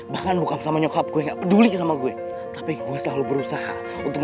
bahkan bukan sama nyokap gue gak peduli sama gue tapi gue selalu berusaha untuk